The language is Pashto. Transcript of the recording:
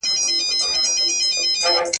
بيزو وان د خپل تقدير د دام اسير وو.